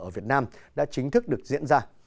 ở việt nam đã chính thức được diễn ra